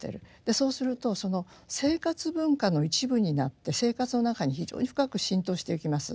そうするとその生活文化の一部になって生活の中に非常に深く浸透していきます。